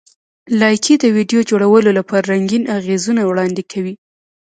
لایکي د ویډیو جوړولو لپاره رنګین اغېزونه وړاندې کوي.